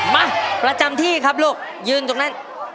มาประจำที่ครับลูกยืนตรงนั้น